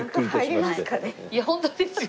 いや本当ですよ